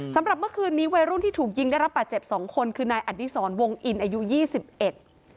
เมื่อคืนนี้วัยรุ่นที่ถูกยิงได้รับป่าเจ็บสองคนคือนายอดิษรวงอินอายุยี่สิบเอ็ด